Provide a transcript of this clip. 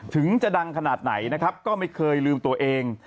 ถึงจะดังขนาดไหนนะครับก็ไม่เคยลืมตัวเอง